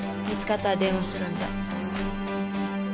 見つかったら電話するんで。